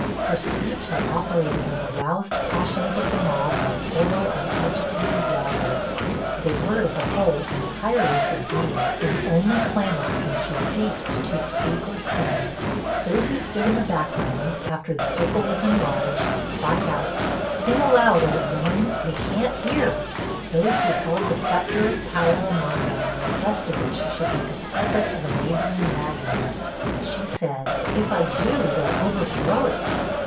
Her speech had operated on the roused passions of the mob like oil on agitated waters; they were, as a whole, entirely subdued, and only clamored when she ceased to speak or sing. Those who stood in the back ground, after the circle was enlarged, cried out, 'Sing aloud, old woman, we can't hear.' Those who held the sceptre of power among them requested that she should make a pulpit of a neighboring wagon. She said, 'If I do, they'll overthrow it.'